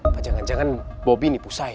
apa jangan jangan bobby ini pusai